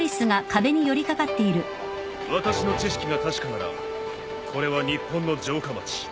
私の知識が確かならこれは日本の城下町。